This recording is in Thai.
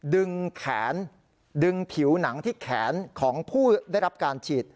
ดึงแขนดึงผิวหนังที่แขนของผู้ได้รับการฉีด